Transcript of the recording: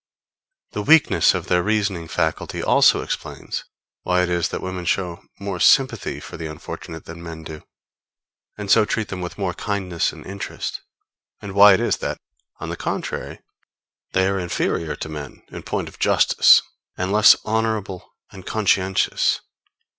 The weakness of their reasoning faculty also explains why it is that women show more sympathy for the unfortunate than men do, and so treat them with more kindness and interest; and why it is that, on the contrary, they are inferior to men in point of justice, and less honorable and conscientious.